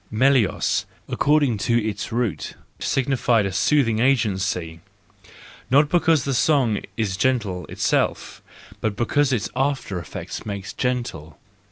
Melos , according to its root, signifies a soothing means, not because the song is gentle itself, but because its after effect makes gentle.